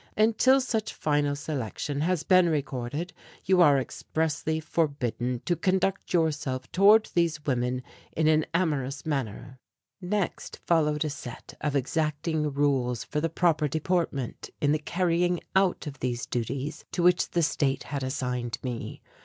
Until such final selection has been recorded you are expressly forbidden to conduct yourself toward these women in an amorous manner." Next followed a set of exacting rules for the proper deportment, in the carrying out of these duties to which the State had assigned me.